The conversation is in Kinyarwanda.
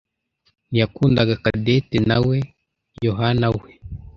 ntiyakundaga Cadette nawe Yohanawe.